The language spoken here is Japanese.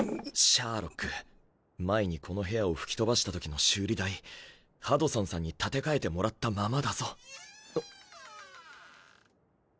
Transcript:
シャーロック前にこの部屋を吹き飛ばしたときの修理代ハドソンさんに立て替えてもらったままだぞ・